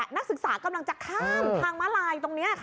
นักศึกษากำลังจะข้ามทางม้าลายตรงนี้